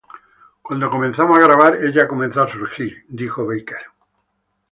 Cuando comenzamos a grabar, ella comenzó a surgir," dijo Baker.